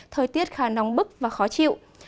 thời tiết khá nóng bức và khó chịu